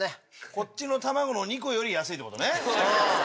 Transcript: こっちの卵の２個より安いってことね。